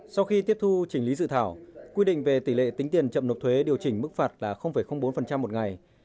sau khi tiếp thu chỉnh lý dự thảo quy định về tỷ lệ tính tiền chậm nộp thuế điều chỉnh mức phạt là bốn một ngày